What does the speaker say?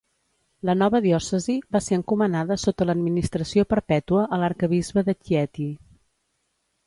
La nova diòcesi va ser encomanada sota l'administració perpètua a l'arquebisbe de Chieti.